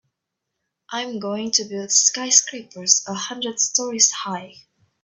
I'm going to build skyscrapers a hundred stories high.